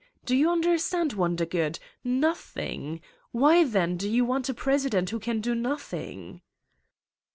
Do you understand, "Wondergood Nothing! "Why, then, do you want a president who can do nothing?